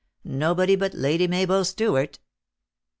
387 " Nobody but Lady Mabel Stewart."